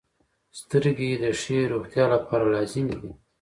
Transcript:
• سترګې د ښې روغتیا لپاره لازمي دي.